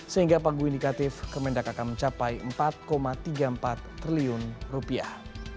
sehingga pagu indikatif kemendak akan mencapai empat tiga puluh empat triliun rupiah